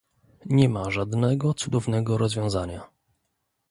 Nie ma żadnego cudownego rozwiązania